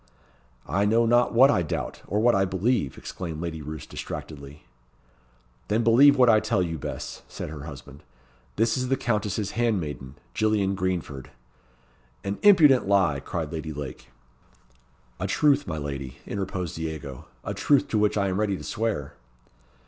"I know not what I doubt, or what I believe," exclaimed Lady Roos distractedly. "Then believe what I tell you, Bess," said her husband. "This is the countess's handmaiden, Gillian Greenford." "An impudent lie!" cried Lady Lake. "A truth, my lady," interposed Diego. "A truth to which I am ready to swear."